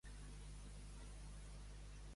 A Bonestarre, campaners.